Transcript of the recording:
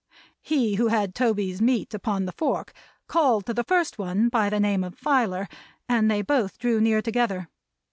He who had Toby's meat upon the fork called to the first one by the name of Filer, and they both drew near together.